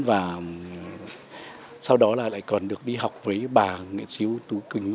và sau đó là lại còn được đi học với bà nguyễn xíu tú quỳnh nha